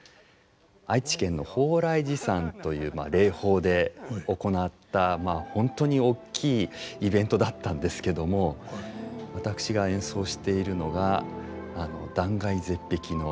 愛知県の鳳来寺山という霊峰で行った本当に大きいイベントだったんですけども私が演奏しているのが断崖絶壁の。